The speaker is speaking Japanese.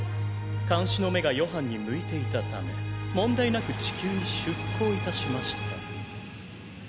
監視の目がヨハンに向いていたため問題なく地球に出航致しました。